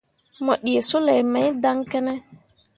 Mo ɗǝǝ soulei mai dan kǝne.